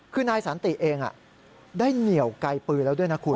คือนายสันติเองได้เหนี่ยวไกลปืนแล้วด้วยนะคุณ